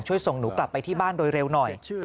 ส่งหนูกลับไปที่บ้านโดยเร็วหน่อย